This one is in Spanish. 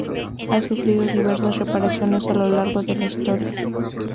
Ha sufrido diversas reparaciones a lo largo de la historia.